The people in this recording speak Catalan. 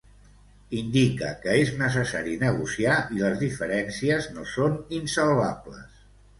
Indica que és necessari negociar i les diferències no són insalvables.